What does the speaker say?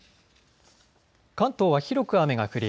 関東は広く雨が降り